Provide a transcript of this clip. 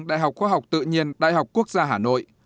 đại học khoa học tự nhiên đại học quốc gia hà nội